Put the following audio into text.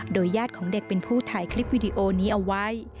ญาติของเด็กเป็นผู้ถ่ายคลิปวิดีโอนี้เอาไว้